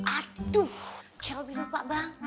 aduh shelby lupa bang